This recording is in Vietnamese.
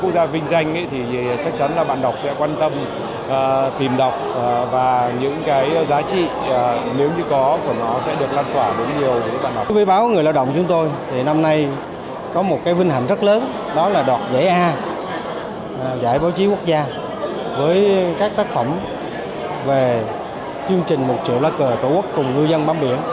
giải báo chí quốc gia với các tác phẩm về chương trình một triệu lá cờ tổ quốc cùng ngư dân bám biển